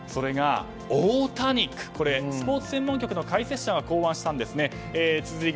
スポーツ専門局の解説者が考案したんです。